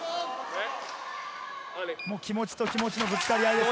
気持ちと気持ちのぶつかり合いです。